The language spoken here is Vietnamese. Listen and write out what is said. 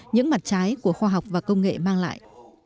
những mặt trái của khoa học và công nghệ mang lại